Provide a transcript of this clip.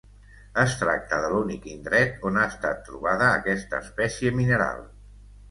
Es tracta de l'únic indret on ha estat trobada aquesta espècie mineral.